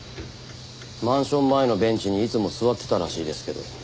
マンション前のベンチにいつも座ってたらしいですけど。